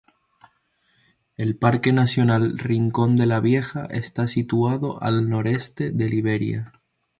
El Parque nacional Rincón de la Vieja está situado justo al noreste de Liberia.